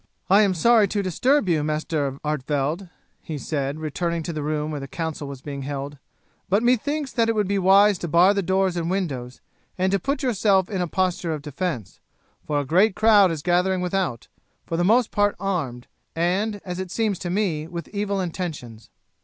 "I am sorry to disturb you, Master Artevelde," he said, returning to the room where the council was being held, "but methinks that it would wise to bar the doors and windows, and to put yourself in a posture of defence, for a great crowd is gathering without, for the most part armed, and as it seems to me with evil intentions."